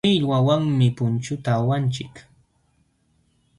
Millwawanmi punchuta awanchik.